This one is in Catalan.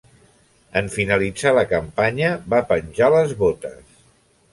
En finalitzar la campanya, va penjar les botes.